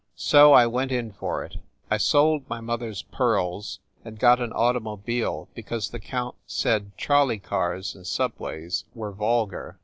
So I went in for it. I sold my mother s pearls and got an automobile because the count said trol ley cars and subways were vulgar.